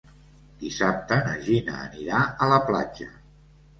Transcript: Dissabte na Gina anirà a la platja.